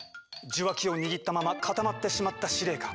受話器を握ったまま固まってしまった司令官。